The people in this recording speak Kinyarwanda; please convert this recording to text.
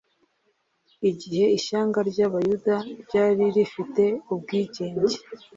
Igihe ishyanga ry'abayuda ryari rifite ubwigenge,